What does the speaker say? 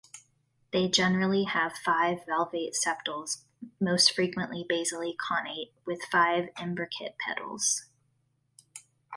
They generally have five valvate sepals, most frequently basally connate, with five imbricate petals.